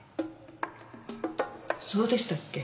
そうでしたっけ？